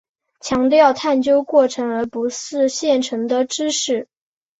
强调探究过程而不是现成的知识。